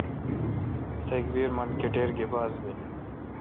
تکبیر من کٹیر گی باز بیل۔